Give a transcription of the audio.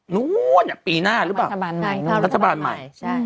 นู้นปีหน้าหรือเปล่ารัฐบาลใหม่